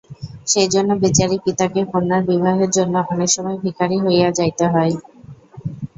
সেইজন্য বেচারী পিতাকে কন্যার বিবাহের জন্য অনেক সময় ভিখারী হইয়া যাইতে হয়।